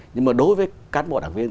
nhưng mà đối với cán bộ đảng viên